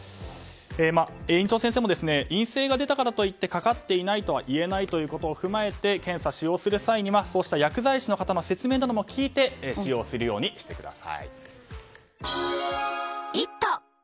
院長先生も陰性が出たからと言ってかかっていないとは言えないということを踏まえて検査を使用する場合には薬剤師の方の説明なども聞いて使用するようにしてください。